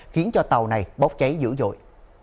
khiến cho tàu này bốc cháy dữ dội